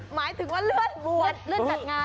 หมายถึงว่าเลือดบวชเลือดจัดงาน